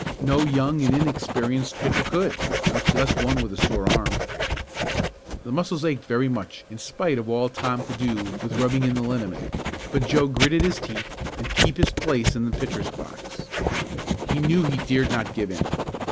No young and inexperienced pitcher could, much less one with a sore arm. The muscles ached very much in spite of all Tom could do with rubbing in the liniment, but Joe gritted his teeth and keep his place in the pitcher's box. He knew he dared not give in.